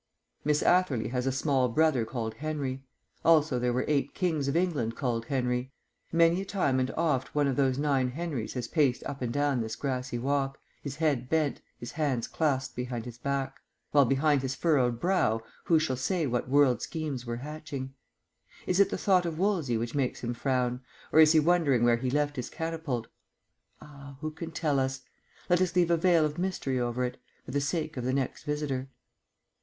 Miss Atherley has a small brother called Henry. Also there were eight Kings of England called Henry. Many a time and oft one of those nine Henrys has paced up and down this grassy walk, his head bent, his hands clasped behind his back; while behind his furrowed brow, who shall say what world schemes were hatching? Is it the thought of Wolsey which makes him frown or is he wondering where he left his catapult? Ah! who can tell us? Let us leave a veil of mystery over it ... for the sake of the next visitor.